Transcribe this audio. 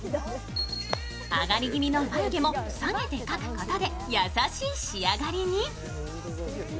上がり気味の眉毛も下げて描くことで優しい仕上がりに。